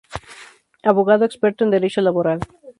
Abogado experto en derecho laboral.